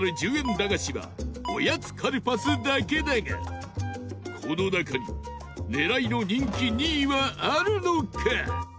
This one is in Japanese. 駄菓子はおやつカルパスだけだがこの中に狙いの人気２位はあるのか？